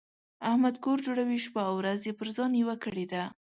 احمد کور جوړوي؛ شپه او ورځ يې پر ځان یوه کړې ده.